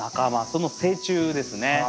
その成虫ですね。